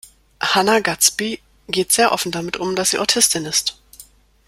Hannah Gadsby geht sehr offen damit um, dass sie Autistin ist.